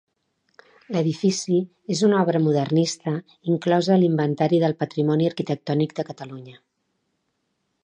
L'edifici és una obra modernista inclosa a l'Inventari del Patrimoni Arquitectònic de Catalunya.